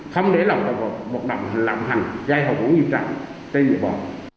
không để lòng tàu hoạt động hình lạm hành giai hợp của nghiêm trạng tên dự bỏ